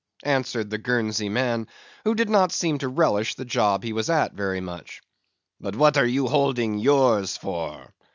answered the Guernsey man, who did not seem to relish the job he was at very much. "But what are you holding yours for?"